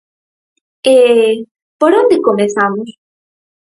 E... por onde comezamos?